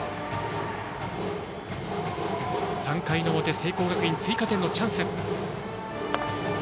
３回の表、聖光学院追加点のチャンス。